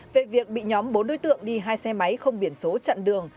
về việc bị nhóm bốn đối tượng đi hai xe máy không biển số chặn đường